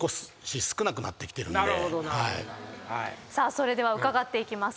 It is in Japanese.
それでは伺っていきます。